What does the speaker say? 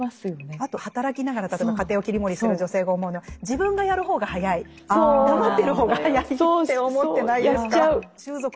あと働きながら例えば家庭を切り盛りしてる女性が思うのは自分がやる方が早い黙ってる方が早いって思ってないですか。